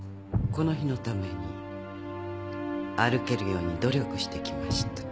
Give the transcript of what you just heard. この日のために歩けるように努力してきました。